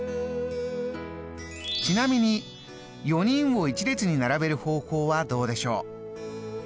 ちなみに４人を一列に並べる方法はどうでしょう。